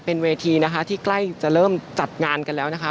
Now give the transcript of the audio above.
เป็นเวทีนะคะที่ใกล้จะเริ่มจัดงานกันแล้วนะคะ